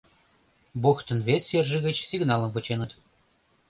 Бухтын вес серже гыч сигналым вученыт.